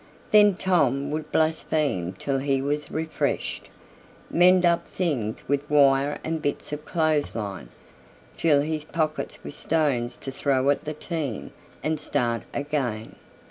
Then Tom would blaspheme till he was refreshed, mend up things with wire and bits of clothes line, fill his pockets with stones to throw at the team, and start again.